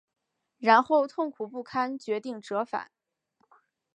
然后痛苦不堪决定折返